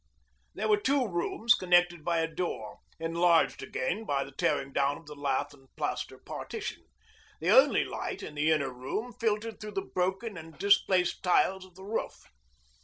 There were two rooms connected by a door, enlarged again by the tearing down of the lath and plaster partition. The only light in the inner room filtered through the broken and displaced tiles of the roof.